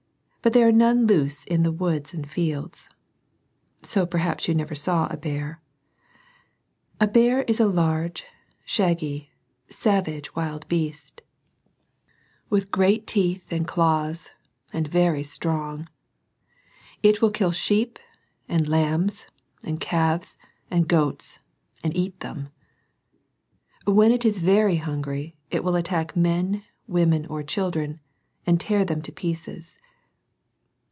But there are none loose in the woods and fields. So perhaps you never saw a bear. A bear is a large, shag^, ^a.N^^t^^^^^^'^^^^ 2 SERMONS FOR CHILDREN. with great teeth and claws, and very strong. It will kill sheep, and lambs, and calves, and goats, and eat them. When it is very hungry it will attack men, women, or children, and tear them to pieces.